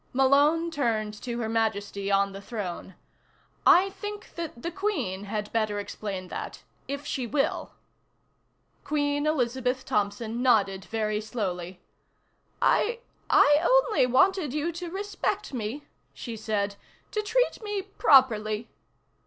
Malone turned to Her Majesty on the throne. "I think that the Queen had better explain that if she will." Queen Elizabeth Thompson nodded very slowly. "I I only wanted you to respect me," she said. "To treat me properly."